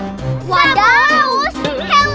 tidak maus lagi